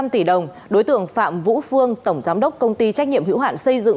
trong thời gian tỷ đồng đối tượng phạm vũ phương tổng giám đốc công ty trách nhiệm hữu hạn xây dựng